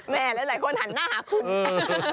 อ๋อแม่แล้วหลายคนหันหน้าหาคุณ